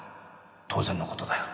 当然のことだよ